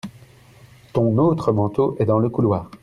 Ton autre manteau est dans le couloir.